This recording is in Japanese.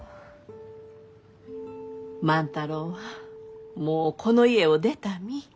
万太郎はもうこの家を出た身。